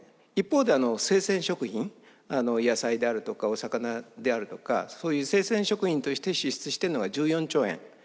一方で生鮮食品野菜であるとかお魚であるとかそういう生鮮食品として支出してるのが１４兆円。